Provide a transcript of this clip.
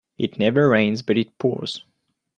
It never rains but it pours